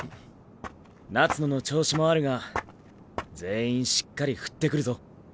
夏野の調子もあるが全員しっかり振ってくるぞ。